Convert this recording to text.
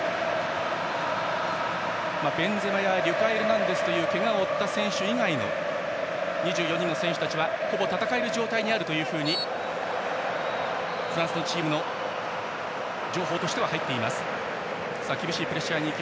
ベンゼマやリュカ・エルナンデスというけがを負った選手以外２４人の選手たちはほぼ戦える状態にあるとフランスチームの情報としては入っています。